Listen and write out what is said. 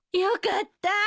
よかった。